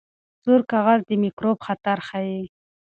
سور کاغذ د میکروب خطر ښيي.